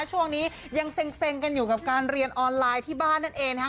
ช่วงนี้ยังเซ็งกันอยู่กับการเรียนออนไลน์ที่บ้านนั่นเองนะครับ